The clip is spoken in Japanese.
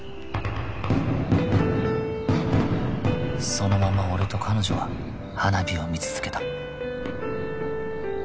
そのまま俺と彼女は花火を見続けた